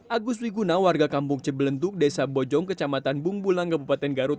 agus wiguna warga kampung cebelentuk desa bojong kecamatan bungbulang kabupaten garut